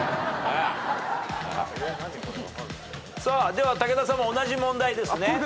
では武田さんも同じ問題ですね。